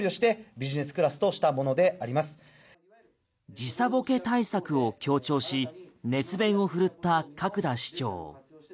時差ぼけ対策を強調し熱弁を振るった角田市長。